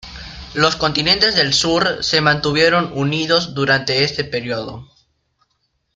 Los continentes del sur se mantuvieron unidos durante este período.